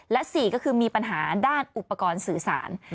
และ๔ก็คือมีปัญหาด้านอุปกรณ์สื่อสาร